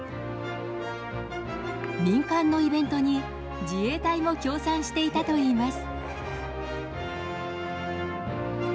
民間のイベントに自衛隊も協賛していたといいます。